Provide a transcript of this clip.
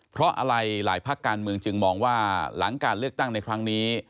เพราะอะไรหลายภาคการเมืองจึงมองว่าหลังการเลือกตั้งในครั้งนี้